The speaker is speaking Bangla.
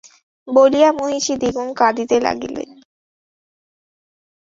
বলিয়া মহিষী দ্বিগুণ কাঁদিতে লাগিলেন।